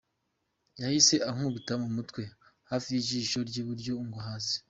Yahise ankubita mu mutwe hafi y’ijisho ry’iburyo, ngwa hasi.